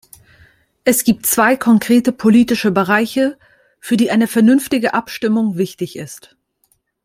Es gibt zwei konkrete politische Bereiche, für die eine vernünftige Abstimmung wichtig ist.